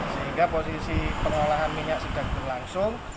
sehingga posisi pengolahan minyak sedang berlangsung